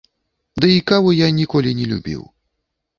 Дый каву я ніколі не любіў.